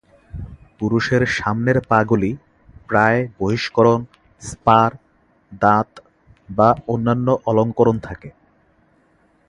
পুরুষের সামনের পাগুলি প্রায়ই বহিষ্করণ, স্পার, দাঁত বা অন্যান্য অলঙ্করণ থাকে।